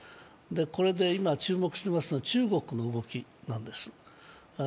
これで今、注目していますのは中国の動きなんです。